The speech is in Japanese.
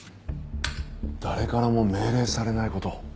「誰からも命令されない事」。